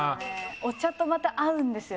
お茶とまた合うんですよ。